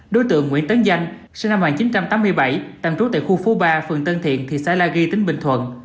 đối tượng nguyễn tấn danh sinh năm một nghìn chín trăm tám mươi bảy tạm trú tại khu phố ba phường tân thiện thị xã la ghi tỉnh bình thuận